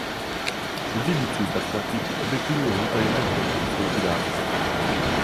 U dědiců pak platí objektivní lhůta jednoho roku od smrti dárce.